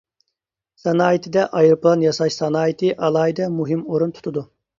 سانائىتىدە ئايروپىلان ياساش سانائىتى ئالاھىدە مۇھىم ئورۇن تۇتىدۇ.